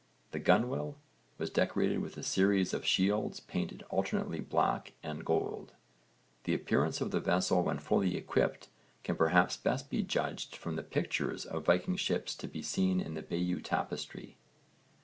The gunwale was decorated with a series of shields painted alternately black and gold. The appearance of the vessel when fully equipped can perhaps best be judged from the pictures of Viking ships to be seen in the Bayeux tapestry.